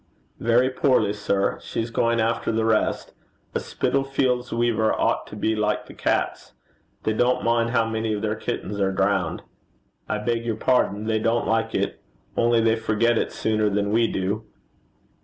'Very poorly, sir. She's going after the rest. A Spitalfields weaver ought to be like the cats: they don't mind how many of their kittens are drowned.' 'I beg your pardon. They don't like it. Only they forget it sooner than we do.'